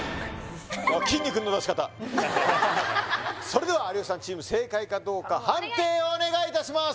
あっきんに君の出し方それでは有吉さんチーム正解かどうか判定をお願いいたします